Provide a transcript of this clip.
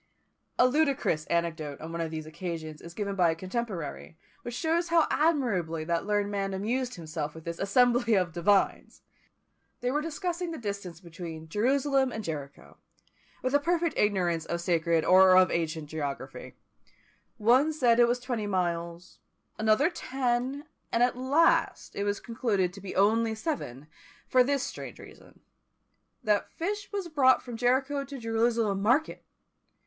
A ludicrous anecdote on one of these occasions is given by a contemporary, which shows how admirably that learned man amused himself with this "assembly of divines!" They were discussing the distance between Jerusalem and Jericho, with a perfect ignorance of sacred or of ancient geography; one said it was twenty miles, another ten, and at last it was concluded to be only seven, for this strange reason, that fish was brought from Jericho to Jerusalem market!